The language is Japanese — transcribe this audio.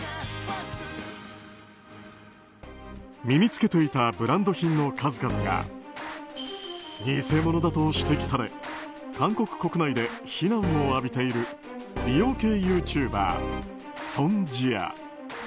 身に着けていたブランド品の数々が偽物だと指摘され韓国国内で非難を浴びている美容系ユーチューバーソン・ジア。